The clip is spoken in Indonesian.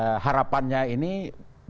tetapi harapannya ini belum terlalu besar